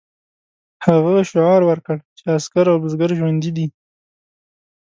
هغه شعار ورکړ چې عسکر او بزګر ژوندي دي.